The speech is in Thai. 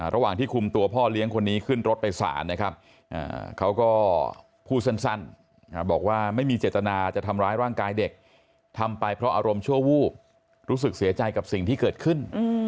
ระหว่างที่คุมตัวพ่อเลี้ยงคนนี้ขึ้นรถไปสารนะครับเขาก็พูดสั้นบอกว่าไม่มีเจตนาจะทำร้ายร่างกายเด็กทำไปเพราะอารมณ์ชั่ววูบรู้สึกเสียใจกับสิ่งที่เกิดขึ้น